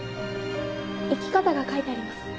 行き方が書いてあります。